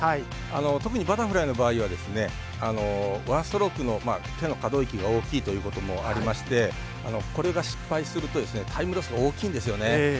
特にバタフライの場合はワンストロークの手の可動域が大きいということもありましてこれが失敗するとタイムロスが大きいんですよね。